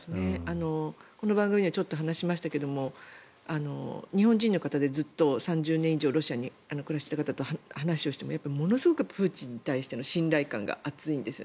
この番組でもちょっと話しましたけど日本人の方でずっと３０年以上ロシアに暮らしていた方と話をしてもものすごくプーチンに対しての信頼感が厚いんです。